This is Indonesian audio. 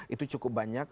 itu cukup banyak